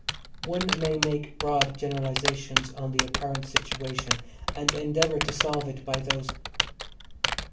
One may make broad generalisations on the apparent situation and endeavour to solve it by those.